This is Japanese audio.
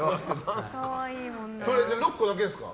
６個だけですか？